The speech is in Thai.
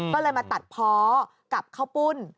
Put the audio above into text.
ก็เลยมาตัดเพาะกับข้าวปุ้น